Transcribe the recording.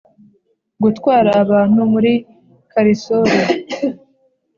gutwara abantu muri karisoli